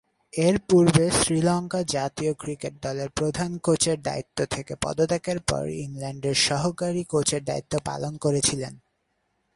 এরপূর্বে শ্রীলঙ্কা জাতীয় ক্রিকেট দলের প্রধান কোচের দায়িত্ব থেকে পদত্যাগের পর ইংল্যান্ডের সহকারী কোচের দায়িত্ব পালন করেছিলেন।